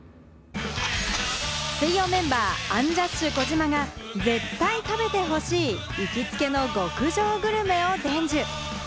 水曜メンバー、アンジャッシュ・児嶋が絶対食べてほしい行きつけの極上グルメを伝授。